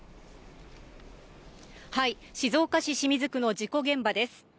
静岡市清水区の事故現場です。